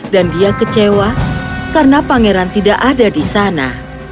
dan dia kecewa karena pangeran tidak ada di sana